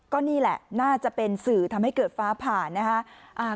ก็นี่แหละน่าจะเป็นสื่อทำให้เกิดฟ้าผ่านนะคะ